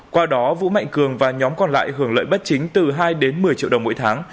qua đó vũ mạnh cường và nhóm còn lại hưởng lợi bất chính từ hai đến một mươi triệu đồng mỗi tháng